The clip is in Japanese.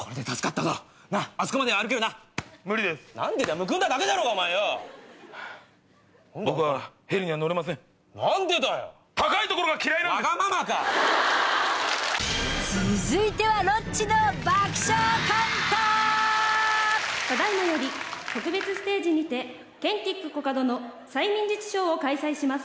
ただ今より特別ステージにてケンティックコカドの催眠術ショーを開催します。